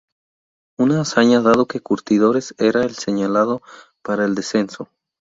Una hazaña dado que Curtidores era el señalado para el descenso.